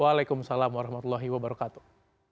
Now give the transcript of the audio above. waalaikumsalam warahmatullahi wabarakatuh